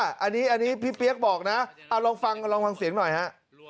อันนี้พี่เปี๊ยกบอกนะลองฟังลองฟังเสียงหน่อยฮะ